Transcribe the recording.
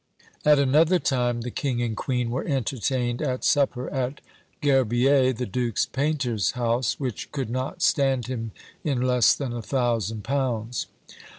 " At another time, "the king and queen were entertained at supper at Gerbier the duke's painter's house, which could not stand him in less than a thousand pounds."